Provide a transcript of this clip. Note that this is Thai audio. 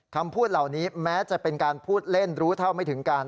คำพูดเหล่านี้แม้จะเป็นการพูดเล่นรู้เท่าไม่ถึงการ